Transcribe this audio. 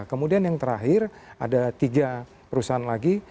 kemudian yang terakhir ada tiga perusahaan lagi